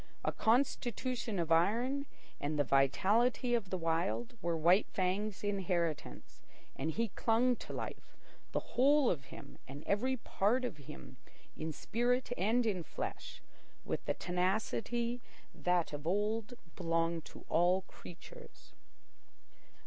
A constitution of iron and the vitality of the Wild were White Fang's inheritance, and he clung to life, the whole of him and every part of him, in spirit and in flesh, with the tenacity that of old belonged to all creatures.